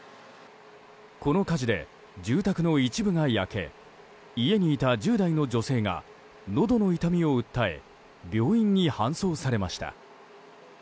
この火事で住宅の一部が焼け家にいた１０代の女性がのどの痛みを訴え病院に搬送されました。